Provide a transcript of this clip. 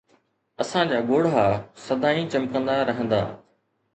اسان جا ڳوڙها سدائين چمڪندا رهندا